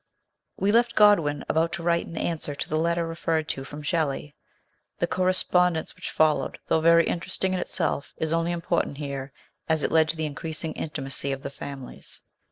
WE left Godwin about to write in answer to the letter referred to from Shelley. The correspondence which followed, though very interesting in itself, is only im portant here as it led to the increasing intimacy of the families.